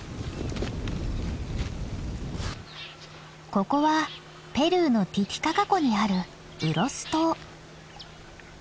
ここはペルーのティティカカ湖にあるウロス島。